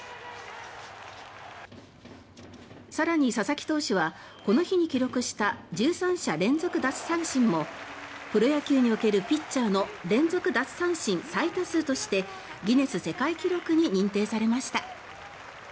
さらに佐々木投手はこの日に記録した１３者連続奪三振も「プロ野球におけるピッチャーの連続奪三振最多数」としてギネス世界記録に認定されました。